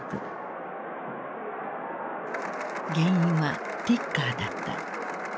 原因はティッカーだった。